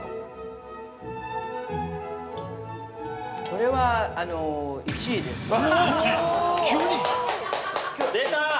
これは１位ですよ。